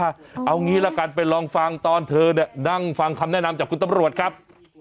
เอางี้ละกันไปลองฟังตอนเธอเนี่ยนั่งฟังคำแนะนำจากคุณตำรวจครับ